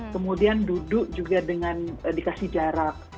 kemudian duduk juga dengan dikasih jarak